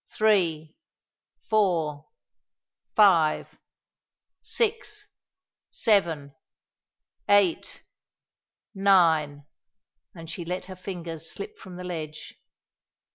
Three four five six seven eight nine and she let her fingers slip from the ledge.